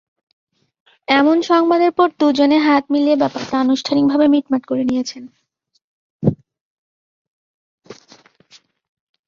এমন সংবাদের পর দুজনে হাত মিলিয়ে ব্যাপারটা আনুষ্ঠানিকভাবে মিটমাট করে নিয়েছেন।